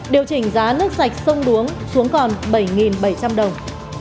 điều chỉnh giá nước sạch sông đuống xuống còn bảy bảy trăm linh đồng